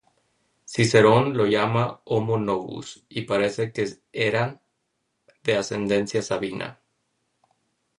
Cicerón lo llama "Homo Novus", y parece que era de ascendencia sabina.